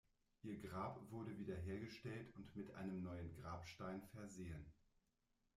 Ihr Grab wurde wiederhergestellt und mit einem neuen Grabstein versehen.